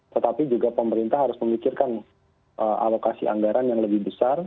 tetapi juga pemerintah harus memikirkan alokasi anggaran yang lebih besar